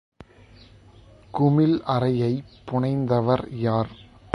குமிழ் அறையைப் புனைந்தவர் யார்?